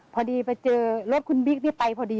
พอดีไปเจอรถคุณบิ๊กไปพอดี